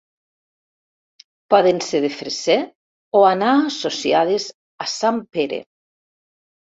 Poden ser de Fresser o anar associades a sant Pere.